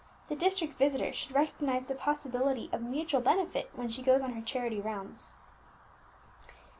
The district visitor should recognize the possibility of mutual benefit when she goes on her charity rounds.